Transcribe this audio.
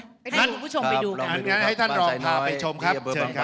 เอาล่ะซันรอพาไปชมครับ